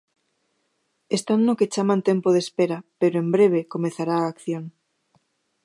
Están no que chaman tempo de espera pero en breve comezará a acción.